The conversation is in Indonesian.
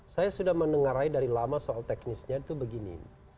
saya sudah mendengarai dari lama soal teknisnya itu begini